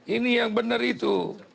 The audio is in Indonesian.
ini yang benar itu